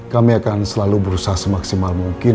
kami akan selalu berusaha semaksimal mungkin